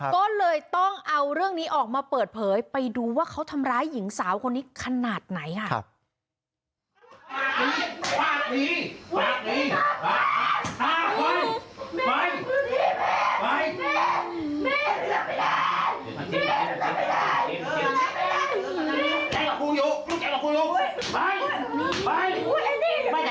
ก็เลยต้องเอาเรื่องนี้ออกมาเปิดเผยไปดูว่าเขาทำร้ายหญิงสาวคนนี้ขนาดไหนค่ะ